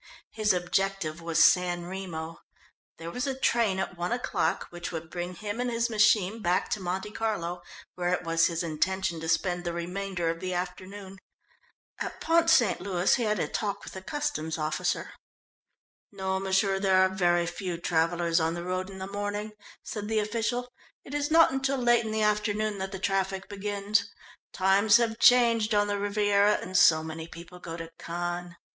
His objective was San Remo. There was a train at one o'clock which would bring him and his machine back to Monte Carlo, where it was his intention to spend the remainder of the afternoon. At Pont St. Louis he had had a talk with the Customs Officer. "No, m'sieur, there are very few travellers on the road in the morning," said the official. "It is not until late in the afternoon that the traffic begins. Times have changed on the Riviera, and so many people go to Cannes.